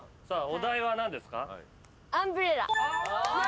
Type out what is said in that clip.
お題は何ですか？